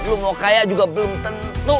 belum mau kaya juga belum tentu